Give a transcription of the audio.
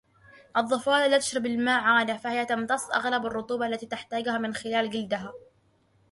الضفادع لا تشرب الماء عادة، فهي تمتص أغلب الرطوبة التي تحتاجها من خلال جلدها.